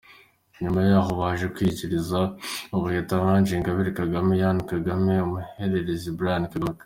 Nyuma yaho, baje kuyikurikiza ubuheta Ange Ingabire Kagame, Ian Kagame n’umuhererezi Brian Kagame.